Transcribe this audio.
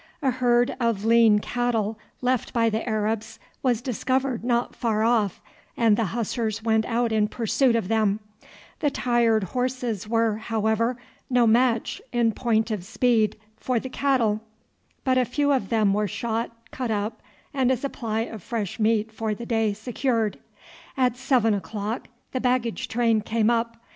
A herd of lean cattle left by the Arabs was discovered not far off, and the Hussars went out in pursuit of them; the tired horses were, however, no match in point of speed for the cattle, but a few of them were shot, cut up, and a supply of fresh meat for the day secured. At seven o'clock the baggage train came up.